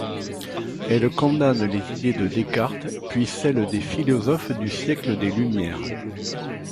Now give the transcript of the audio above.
Elle condamne les idées de Descartes, puis celles des philosophes du siècle des Lumières.